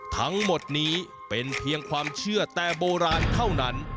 ทั้งหมดนี้เป็นเพียงความเชื่อแต่โบราณเท่านั้น